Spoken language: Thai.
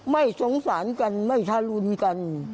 ไม่สงสารกันไม่ทารุณกัน